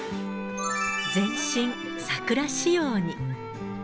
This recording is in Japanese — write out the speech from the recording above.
全身桜仕様に。